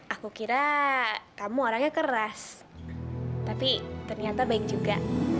aku kira kamu orangnya keras tapi ternyata baik juga